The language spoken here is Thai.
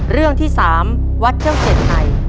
เรื่องที่๓วัดเที่ยวเจ็ดไหน